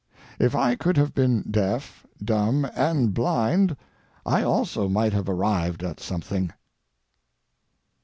If I could have been deaf, dumb, and blind I also might have arrived at something.